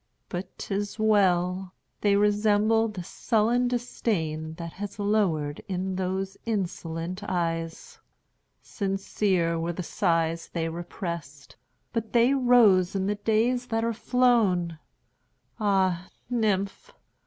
But 't is well!—they resemble the sullen disdainThat has lowered in those insolent eyes. Sincere were the sighs they represt, But they rose in the days that are flown! Ah, nymph!